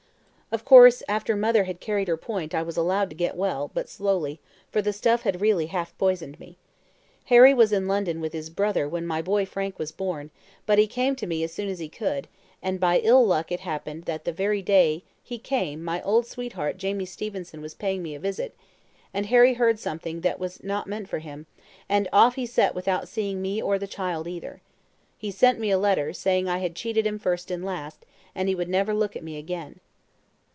"Of course after mother had carried her point I was allowed to get well, but slowly, for the stuff had really half poisoned me. Harry was in London with his brother when my boy Frank was born; but he came to me as soon as he could, and by ill luck it happened that the very day he came my old sweetheart Jamie Stevenson was paying me a visit, and Harry heard something that was not meant for him, and off he set without seeing me or the child either. He sent me a letter, saying I had cheated him first and last, and he would never look at me again."